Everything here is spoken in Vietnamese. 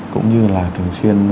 cũng như là thường xuyên